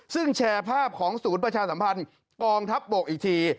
ซึ่งแชร์ภาพของศูนย์ประชาสัมพันธ์กองทัพบกอีกที